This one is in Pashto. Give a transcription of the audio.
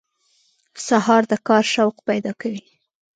سهار د کار شوق پیدا کوي.